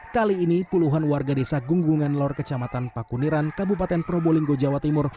kali ini puluhan warga desa gunggungan lor kecamatan pakuniran kabupaten probolinggo jawa timur